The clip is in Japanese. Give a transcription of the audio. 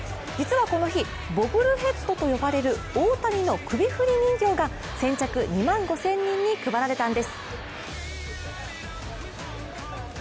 実はこの日、ボブルヘッドと呼ばれる大谷の首振り人形が先着２万５０００人に配られたんです。